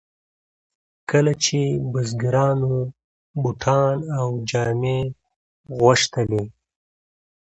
کله به چې بزګرانو بوټان او جامې غوښتلې.